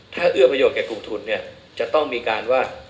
ถ้าเอื้อประโยชนกับกลุ่มทุนเนี่ยจะต้องมีการว่า